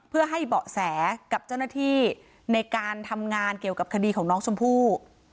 เพื่อให้เบาะแสกับเจ้าหน้าที่ในการทำงานเกี่ยวกับคดีของน้องชมพู่